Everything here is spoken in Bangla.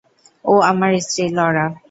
ও আমার স্ত্রী, লরা।